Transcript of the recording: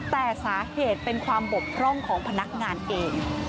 แต่สาเหตุเป็นความบกพร่องของพนักงานเอง